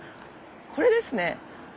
これですね。